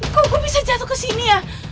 kok gue bisa jatuh ke sini ya